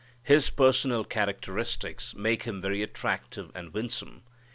_ His personal characteristics make Him very attractive and winsome.